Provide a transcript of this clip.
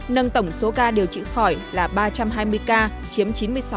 nâng tổng số ca điều trị khỏi là ba trăm hai mươi ca chiếm chín mươi sáu